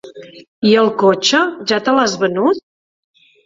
I el cotxe, ja te l'has venut?